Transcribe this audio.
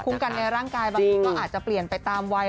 กันในร่างกายบางทีก็อาจจะเปลี่ยนไปตามวัย